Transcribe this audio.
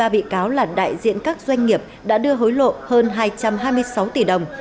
ba bị cáo là đại diện các doanh nghiệp đã đưa hối lộ hơn hai trăm hai mươi sáu tỷ đồng